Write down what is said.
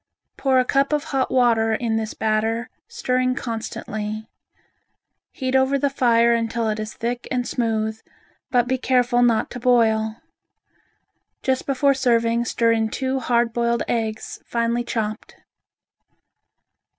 Pour a cup of hot water of this batter, stirring constantly. Heat over the fire until it is thick and smooth, but be careful not to boil. Just before serving stir in two hard boiled eggs finely chopped.